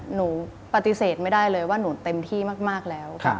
หนูปฏิเสธไม่ได้เลยว่าหนูเต็มที่มากแล้ว